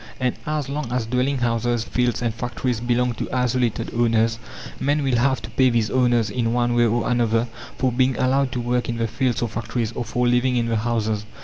And as long as dwelling houses, fields, and factories belong to isolated owners, men will have to pay these owners, in one way or another, for being allowed to work in the fields or factories, or for living in the houses.